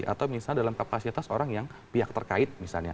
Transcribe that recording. atau misalnya dalam kapasitas orang yang pihak terkait misalnya